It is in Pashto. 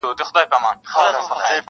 تر شا خلک دلته وېره د زمري سوه-